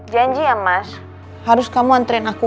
janji ya mas harus kamu antren aku